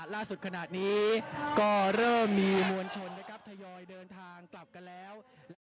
ล่าสุดขนาดนี้ก็เริ่มมีมวลชนทยอยเดินทางกลับกันแล้ว